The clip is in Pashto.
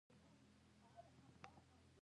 د جوارو سترۍ اوږدې او گڼې وي.